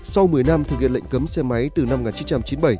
sau một mươi năm thực hiện lệnh cấm xe máy từ năm một nghìn chín trăm chín mươi bảy